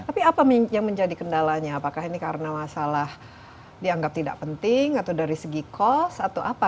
tapi apa yang menjadi kendalanya apakah ini karena masalah dianggap tidak penting atau dari segi cost atau apa